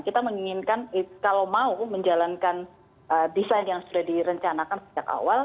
kita menginginkan kalau mau menjalankan desain yang sudah direncanakan sejak awal